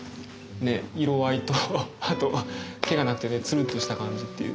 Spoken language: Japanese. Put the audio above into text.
色合いとあと毛がなくてねツルッとした感じっていう。